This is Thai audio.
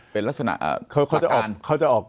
เป็นลักษณะต่างการ